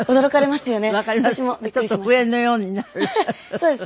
そうですね。